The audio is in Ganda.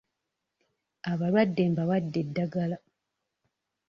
Abalwadde mbawadde eddagala.